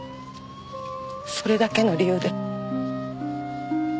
それだけの理由で。